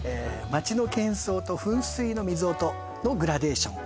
「街の喧騒と噴水の水音のグラデーション」